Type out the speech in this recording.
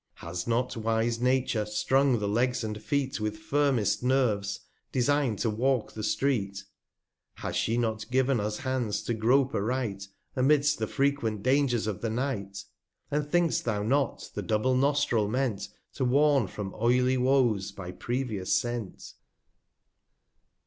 240 n 42 Has not wise Nature strung the Legs and Feet With firmest Nerves, designed to walk the Street? Has she not given us Hands, to groap aright, Amidst the frequent Dangers of the Night? And think'st thou not the double Nostril meant, To warn from oily Woes by previous Scent?